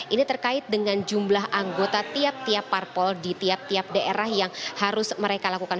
ini terkait dengan jumlah anggota tiap tiap parpol di tiap tiap daerah yang harus mereka lakukan